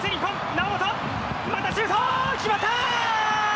猶本またシュート、決まった。